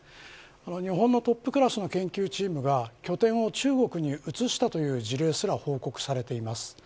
日本のトップクラスの研究チームが拠点を中国に移したという事例すら報告されています。